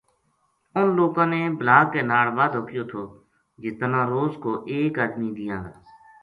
اُنھ لوکاں نے بلا کے ناڑ وعدو کیو تھو جی تنا روز کو ایک آدمی دیاں گا